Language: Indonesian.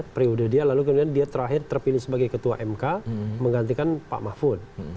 periode dia lalu kemudian dia terakhir terpilih sebagai ketua mk menggantikan pak mahfud